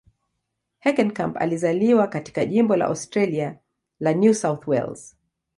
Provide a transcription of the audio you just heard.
Heckenkamp alizaliwa katika jimbo la Australia la New South Wales.